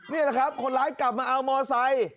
นี่แหละครับคนร้ายกลับมาเอามอไซค์